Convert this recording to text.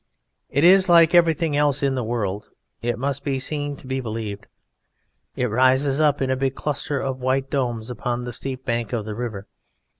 It is like everything else in the world: it must be seen to be believed. It rises up in a big cluster of white domes upon the steep bank of the river.